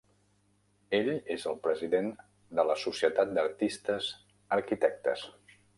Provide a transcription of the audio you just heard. Ell és el president de la Societat d'Artistes Arquitectes.